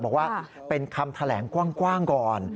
บอกว่าเป็นคำแถลงกว้างก่อน